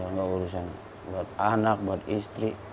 nggak urusan buat anak buat istri